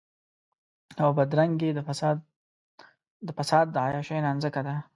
او بدرنګي د فساد د عياشۍ نانځکه ده.